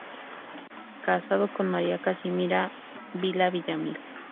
Casado con María Casimira Vila Villamil.